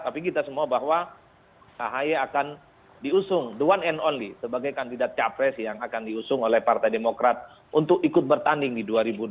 tapi kita semua bahwa ahy akan diusung the one and only sebagai kandidat capres yang akan diusung oleh partai demokrat untuk ikut bertanding di dua ribu dua puluh